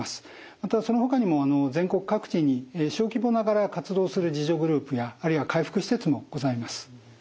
またそのほかにも全国各地に小規模ながら活動する自助グループやあるいは回復施設もございます。